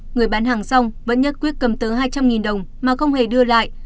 người bán hàng rong vẫn nhất quyết cầm tới hai trăm linh đồng mà không hề đưa lại